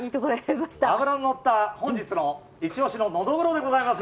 脂の乗った本日の一押しのノドグロでございます。